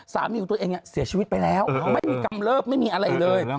สามีของตัวเองเสียชีวิตไปแล้วไม่มีกำเลิบไม่มีอะไรเลย